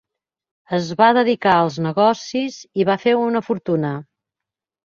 Es va dedicar als negocis i va fer una fortuna.